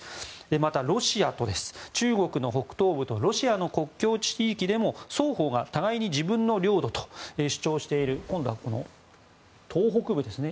また、中国の北東部とロシアの北東地域でも双方が互いに自分の領土と主張している今度は、東北部ですね。